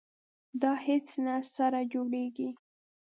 دا هیڅ نه سره جوړیږي.